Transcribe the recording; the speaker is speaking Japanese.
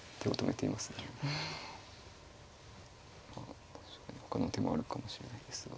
まあ確かにほかの手もあるかもしれないですが。